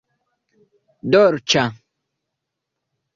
dolĉa